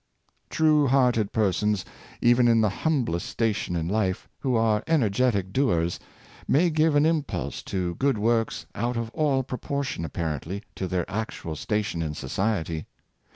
'' True hearted persons, even in the humblest station in life, who are energetic doers, may give an impulse to good works out of all proportion, apparently, to their actual station in society.